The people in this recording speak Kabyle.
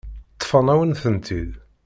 Ṭṭfen-awen-tent-id.